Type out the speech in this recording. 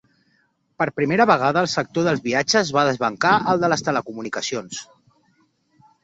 Per primera vegada, el sector dels viatges va desbancar el de les telecomunicacions.